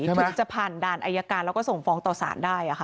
ถึงจะผ่านด่านอายการแล้วก็ส่งฟ้องต่อสารได้